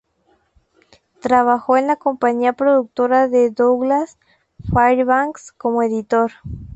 Trabajó en la compañía productora de Douglas Fairbanks como editor.